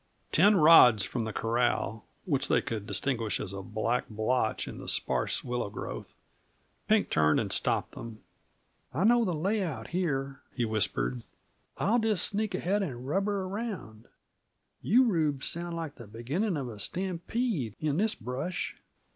Ten rods from the corral, which they could distinguish as a black blotch in the sparse willow growth, Pink turned and stopped them. "I know the layout here," he whispered. "I'll just sneak ahead and rubber around. You Rubes sound like the beginning of a stampede, in this brush."